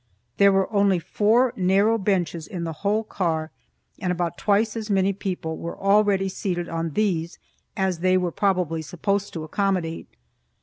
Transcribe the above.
There were only four narrow benches in the whole car, and about twice as many people were already seated on these as they were probably supposed to accommodate.